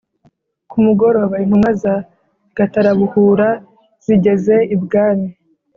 Ku mugoroba, intumwa za Gatarabuhura zigeze i Bwami